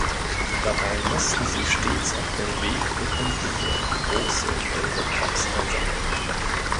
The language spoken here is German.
Dabei mussten sie stets auf dem Weg befindliche große, gelbe Drops einsammeln.